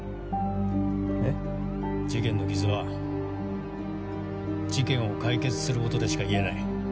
えっ？事件の傷は事件を解決することでしか癒えない。